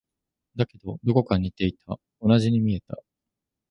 だけど、どこか似ていた。同じに見えた。